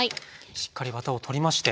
しっかりワタを取りまして。